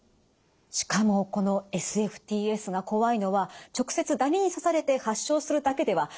しかもこのＳＦＴＳが怖いのは直接ダニに刺されて発症するだけではないという点なんです。